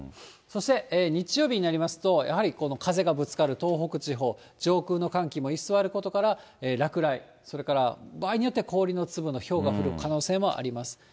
そして、日曜日になりますと、やはりこの風がぶつかる東北地方、上空の寒気も居座ることから、落雷、それから場合によっては氷の粒の、ひょうが降る可能性もあります。